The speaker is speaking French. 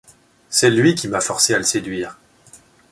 C’est lui qui m’a forcé à le séduire.